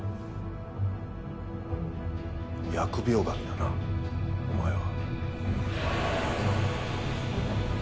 疫病神だなお前は。